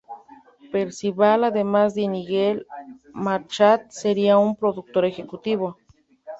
Percival, además de Nigel Marchant, sería un productor ejecutivo.